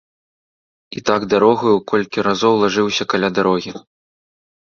І так дарогаю колькі разоў лажыўся каля дарогі.